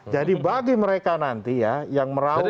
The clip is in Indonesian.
jadi bagi mereka nanti ya yang merawat